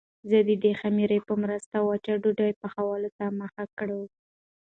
زه د دې خمیرې په مرسته وچې ډوډۍ پخولو ته مخه کړه.